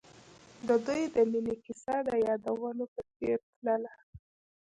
د دوی د مینې کیسه د یادونه په څېر تلله.